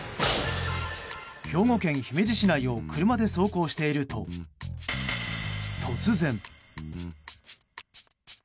兵庫県姫路市内を車で走行していると突然。